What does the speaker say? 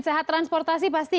sehat transportasi pasti